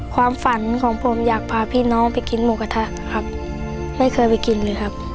ความฝันของผมอยากพาพี่น้องไปกินหมูกระทะครับไม่เคยไปกินเลยครับ